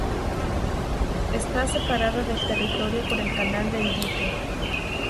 Está separada del territorio por el Canal del Dique.